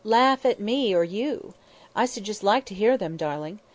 "Laugh at me or you! I should just like to hear them, darling.